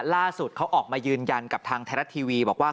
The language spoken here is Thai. ล่าสุดเขาออกมายืนยันกับทางไทยรัฐทีวีบอกว่า